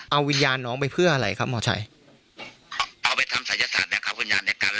เอาวิญญาณน้องไปเพื่ออะไรครับหมอจัย